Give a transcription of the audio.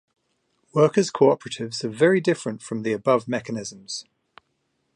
Worker cooperatives are very different from the above mechanisms.